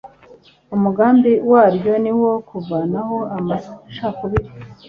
umugambi waryo ni uwo kuvanaho amacakubiri,